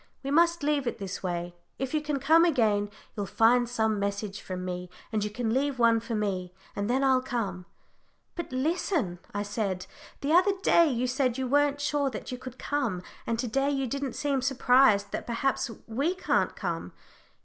"We must leave it this way if you can come again, you'll find some message from me, and you can leave one for me, and then I'll come." "But listen," I said; "the other day you said you weren't sure that you could come, and to day you didn't seem surprised that perhaps we can't come.